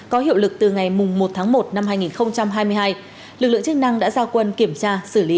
có hiệu lực từ ngày một một hai nghìn hai mươi hai lực lượng chức năng đã ra quân kiểm tra xử lý